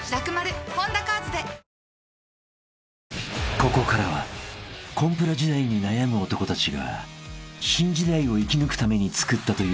［ここからはコンプラ時代に悩む男たちが新時代を生き抜くために作ったという］